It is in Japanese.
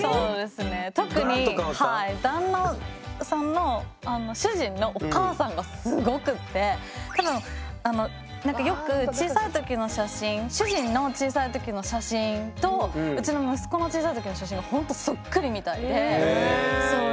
特に旦那さんの主人のお母さんがすごくって多分よく小さい時の写真主人の小さい時の写真とうちの息子の小さい時の写真がほんとそっくりみたいでそう。